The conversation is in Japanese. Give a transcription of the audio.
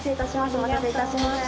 お待たせいたしました。